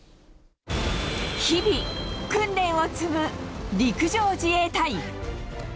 日々、訓練を積む陸上自衛隊。